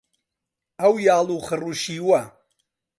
ئەو یاڵ و خڕ و شیوە